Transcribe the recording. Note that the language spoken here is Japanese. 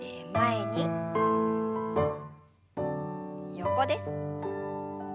横です。